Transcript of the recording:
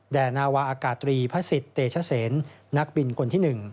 นาวาอากาศตรีพระศิษย์เตชเซนนักบินคนที่๑